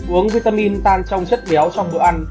uống vitamin tan trong chất béo trong bữa ăn